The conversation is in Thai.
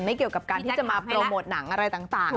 เกี่ยวกับการที่จะมาโปรโมทหนังอะไรต่าง